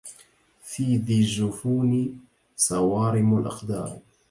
في ذي الجفون صوارم الأقدار